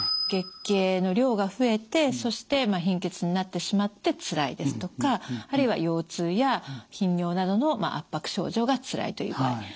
月経の量が増えてそして貧血になってしまって辛いですとかあるいは腰痛や頻尿などの圧迫症状が辛いという場合。